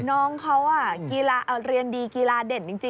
น้องเขากีฬาเรียนดีกีฬาเด่นจริง